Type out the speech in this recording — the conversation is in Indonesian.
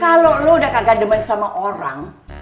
kalau lo udah kagak demen sama orang